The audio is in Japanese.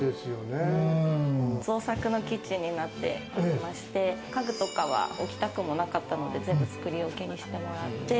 造作のキッチンになっていまして、家具とかは置きたくもなかったので全部作り置きにしてもらって。